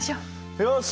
よし！